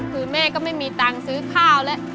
คือแม่ก็ไม่มีตังค์ซื้อข้าวแล้ว